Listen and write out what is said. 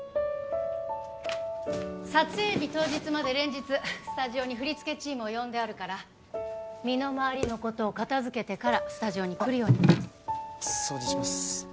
撮影日当日まで連日スタジオに振り付けチームを呼んであるから身の回りのことを片付けてからスタジオに来るように掃除します